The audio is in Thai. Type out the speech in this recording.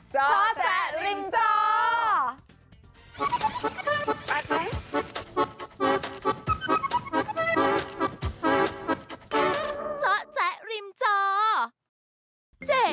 เจ้าแจริมจอ